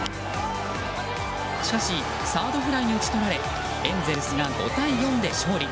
しかしサードフライに打ち取られエンゼルスが５対４で勝利。